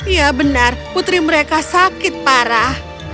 ya benar putri mereka sakit parah